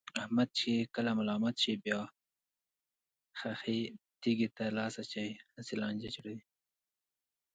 احمد چې کله ملامت شي، بیا خښې تیګې ته لاس اچوي، هسې لانجې جوړوي.